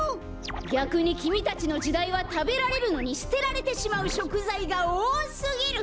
ぎゃくにきみたちのじだいはたべられるのにすてられてしまうしょくざいがおおすぎる！